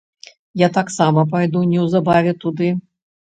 Я таксама пайду неўзабаве туды.